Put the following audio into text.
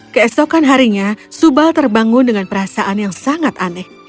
keesokan harinya subal terbangun dengan perasaan yang sangat aneh